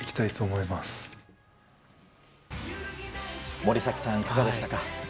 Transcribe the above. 森崎さん、いかがでしたか？